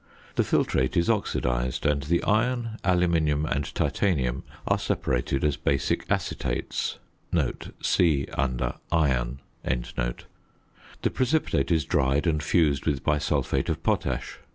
The filtrate is oxidised, and the iron, aluminium, and titanium are separated as basic acetates (see under Iron). The precipitate is dried and fused with bisulphate of potash.